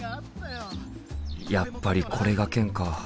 やっぱりこれがケンか。